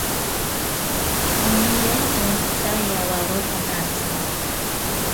Nirento tsaiwaro onatsi.